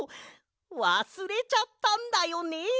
わすれちゃったんだよね。